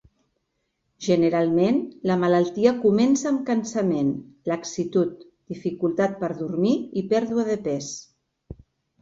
Generalment, la malaltia comença amb cansament, laxitud, dificultat per dormir i pèrdua de pes.